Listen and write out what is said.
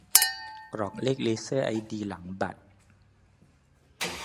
กรอกเลขเลเซอร์ไอดีหลังบัตร